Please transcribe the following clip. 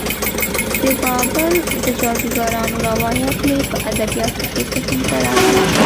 د بابل د جادوګرانو روایت مې په ادبیاتو کې ذهن ته راغی.